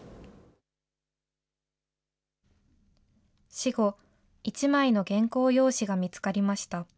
死後、１枚の原稿用紙が見つかりました。